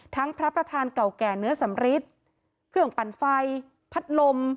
พระประธานเก่าแก่เนื้อสำริทเครื่องปั่นไฟพัดลม